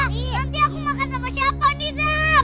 nanti aku makan sama siapa nih dak